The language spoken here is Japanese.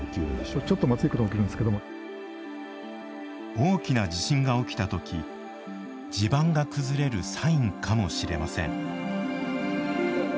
大きな地震が起きた時地盤が崩れるサインかもしれません。